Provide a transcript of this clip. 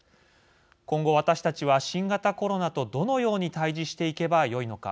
今後、私たちは新型コロナとどのように対じしていけばよいのか。